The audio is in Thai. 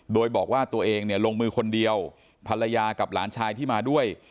โดยบอกว่าตัวเองเนี่ยลงมือคนเดียวภรรยากับหลานชายที่มาด้วย